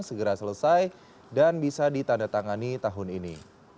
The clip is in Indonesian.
segera selesai dan bisa ditandatangani tahun ini